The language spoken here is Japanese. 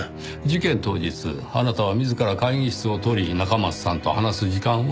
事件当日あなたは自ら会議室を取り中松さんと話す時間を取った。